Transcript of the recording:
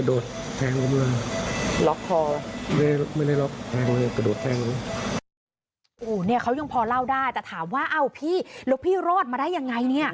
โอ้โหเนี่ยเขายังพอเล่าได้แต่ถามว่าเอ้าพี่แล้วพี่รอดมาได้ยังไงเนี่ย